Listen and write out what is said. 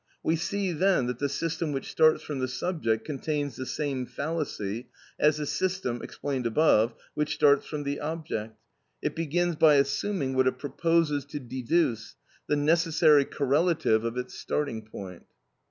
We see then that the system which starts from the subject contains the same fallacy as the system, explained above, which starts from the object; it begins by assuming what it proposes to deduce, the necessary correlative of its starting point.